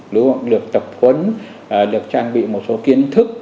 được tập huấn được trang bị một số kiến thức